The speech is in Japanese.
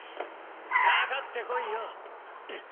かかってこいよ！